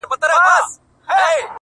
خدايه ته لوی يې _